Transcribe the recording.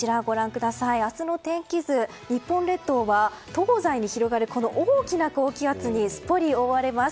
明日の天気図ですが日本列島は東西に広がるこの大きな高気圧にすっぽりと覆われます。